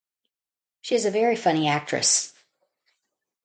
She is a very funny actress.